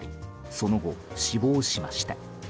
その後、死亡しました。